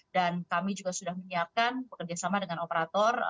dan kami juga sudah menyiapkan bekerjasama dengan operator